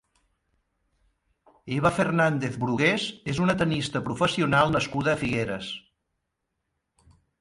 Eva Fernández-Brugués és una tennista professional nascuda a Figueres.